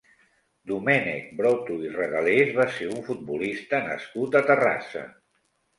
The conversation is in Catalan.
Domènec Broto i Regalés va ser un futbolista nascut a Terrassa.